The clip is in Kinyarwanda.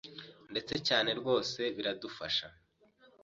ndetse cyane rwose biradufasha